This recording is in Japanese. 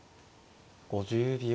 ５０秒。